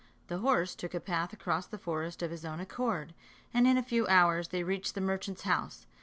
The horse took a path across the forest of his own accord, and in a few hours they reached the merchant's house.